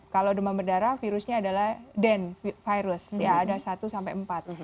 kalau demam berdarah virusnya adalah den virus ya ada satu sampai empat